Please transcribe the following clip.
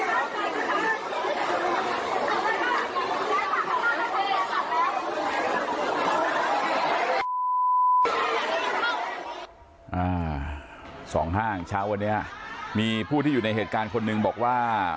สองห้างเช้าวันนี้มีผู้ที่อยู่ในเหตุการณ์คนหนึ่งบอกว่า